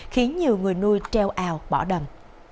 khiến nhiều người nuôi treo ào bỏ đầm